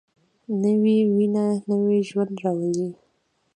نوې وینه نوی ژوند راولي